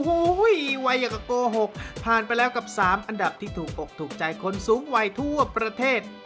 โอ้โหวัยอย่างกับโกหกผ่านไปแล้วกับ๓อันดับที่ถูกอกถูกใจคนสูงวัยทั่วประเทศ